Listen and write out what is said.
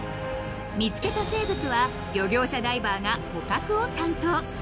［見つけた生物は漁業者ダイバーが捕獲を担当］